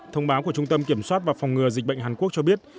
thông báo của trung tâm kiểm soát và phòng ngừa dịch bệnh hàn quốc cho biết